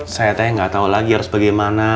saya teh gak tau lagi harus bagaimana